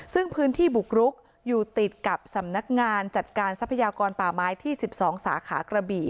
ซึ่งพื้นที่บุกรุกอยู่ติดกับสำนักงานจัดการทรัพยากรป่าไม้ที่๑๒สาขากระบี่